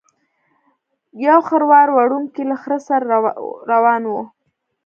یو خروار وړونکی له خره سره روان و.